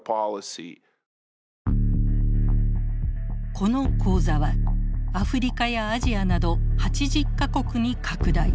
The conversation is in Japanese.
この講座はアフリカやアジアなど８０か国に拡大。